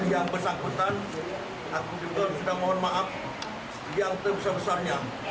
yang bersangkutan aku juga sudah mohon maaf yang sebesar besarnya